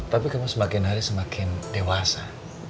tapi kamu semakin hari semakin dewasa